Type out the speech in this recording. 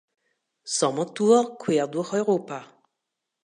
Sommer Tour quer durch Europa.